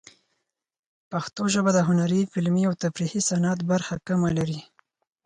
پښتو ژبه د هنري، فلمي، او تفریحي صنعت برخه کمه لري.